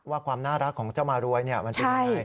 ว่าความน่ารักของเจ้าบาลวยมันจริงอย่างไร